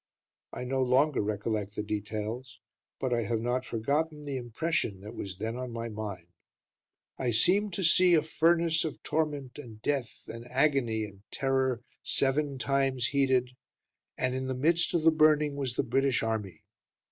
I no longer recollect the details; but I have not forgotten the impression that was then on my mind, I seemed to see a furnace of torment and death and agony and terror seven times heated, and in the midst of the burning was the British Army.